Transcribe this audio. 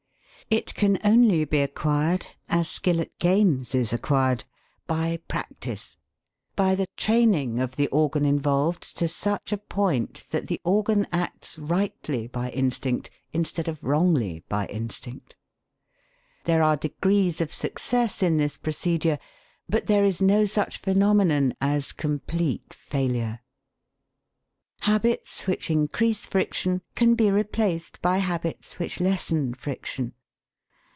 It can only be acquired, as skill at games is acquired, by practice; by the training of the organ involved to such a point that the organ acts rightly by instinct instead of wrongly by instinct. There are degrees of success in this procedure, but there is no such phenomenon as complete failure. Habits which increase friction can be replaced by habits which lessen friction.